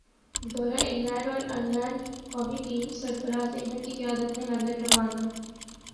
دورہ انگلینڈ اور ائرلینڈ قومی ٹیم سرفرازاحمد کی قیادت میں لندن روانہ